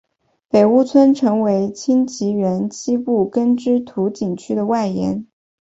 北坞村成为清漪园西部耕织图景区的外延。